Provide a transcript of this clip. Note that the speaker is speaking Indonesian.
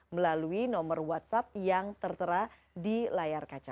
melalui nomor whatsapp yang tertera di layar kaca